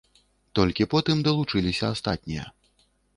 Толькі потым далучыліся астатнія.